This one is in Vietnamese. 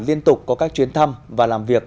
liên tục có các chuyến thăm và làm việc